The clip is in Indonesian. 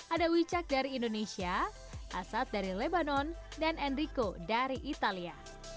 ada wicak dari indonesia asat dari lebanon dan enrico dari italia